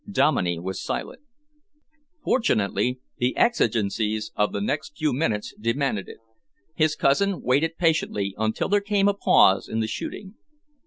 Dominey was silent. Fortunately, the exigencies of the next few minutes demanded it. His cousin waited patiently until there came a pause in the shooting.